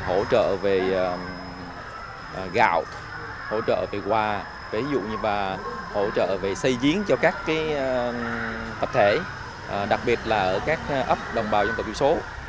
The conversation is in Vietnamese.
hỗ trợ về gạo hỗ trợ về quà ví dụ như bà hỗ trợ về xây giếng cho các hợp thể đặc biệt là ở các ấp đồng bào trong tổ chức số